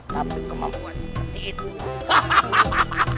tapi kemampuan seperti itu